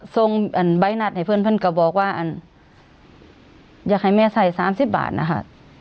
ส่งอันใบนัดให้เพื่อนก็บอกว่าอันอยากให้แม่ใส่๓๐บาทนะคะ